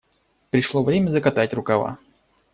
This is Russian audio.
Пришло время закатать рукава.